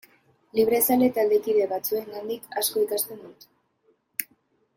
Librezale taldekide batzuengandik asko ikasten dut.